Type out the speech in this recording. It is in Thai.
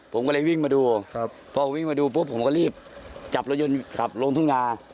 ผมก็เลยวิ่งมาดูครับพอวิ่งมาดูปุ๊บผมก็รีบจับรถยนต์ขับลงทุ่งนา